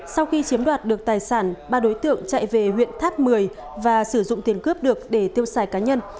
sau khi chiếm đoạt được tài sản ba đối tượng chạy về huyện tháp mười và sử dụng tiền cướp được để tiêu xài cá nhân